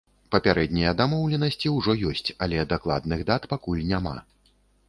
Папярэднія дамоўленасці ўжо ёсць, але дакладных дат пакуль няма.